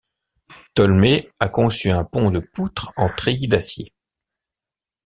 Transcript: Tolmé a conçu un pont de poutre en treillis d'acier.